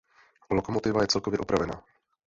Lokomotiva je celkově opravena.